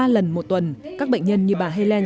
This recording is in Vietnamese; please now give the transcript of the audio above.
ba lần một tuần các bệnh nhân như bà helen